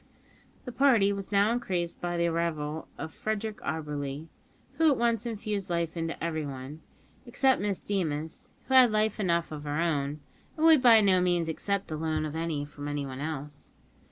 The party was now increased by the arrival of Frederick Auberly, who at once infused life into everybody, except Miss Deemas, who had life enough of her own, and would by no means accept the loan of any from anyone else.